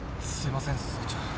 すいません総長。